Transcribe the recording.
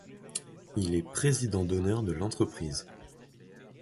Il est président d'honneur de l'entreprise.